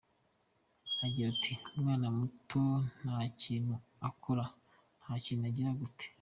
Agira ati “Umwana mutoya nta kintu akora, nta kintu agira gute.